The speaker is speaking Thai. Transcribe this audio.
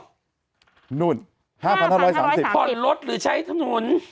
โอ้นู่น๕๕๓๐บาทพ่อนรถหรือใช้ถนน